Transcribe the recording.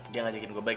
dia ngajakin gue balik